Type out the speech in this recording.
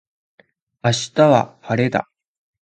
明日は晴れだ。